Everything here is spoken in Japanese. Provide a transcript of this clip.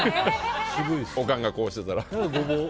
おかんがこうしてたら。